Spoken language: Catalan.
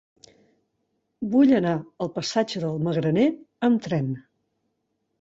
Vull anar al passatge del Magraner amb tren.